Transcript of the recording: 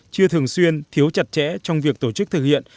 chưa thường xuyên thiếu chặt chẽ trong việc tổ chức thực hiện